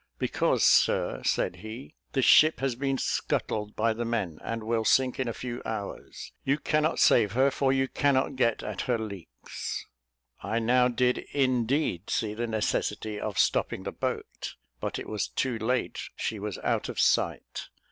"Because, sir," said he, "the ship has been scuttled by the men, and will sink in a few hours: you cannot save her, for you cannot get at her leaks." I now did indeed see the necessity of stopping the boat; but it was too late: she was out of sight.